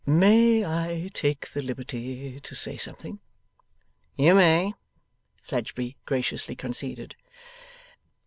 'May I take the liberty to say something?' 'You may,' Fledgeby graciously conceded.